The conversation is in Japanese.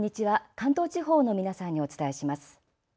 関東地方の皆さんにお伝えします。